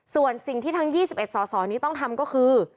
ส่วนสิ่งที่ทั้ง๒๑สสนี้ต้องทำก็คือ